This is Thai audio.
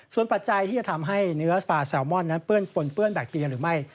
ส่วนปัจจัยที่จะทำให้เนื้อสปาแซลมอนนั้นเปื้อนปนเปื้อนแบคทีเรียหรือไม่